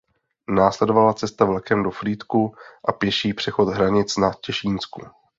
Následovala cesta vlakem do Frýdku a pěší přechod hranic na Těšínsku.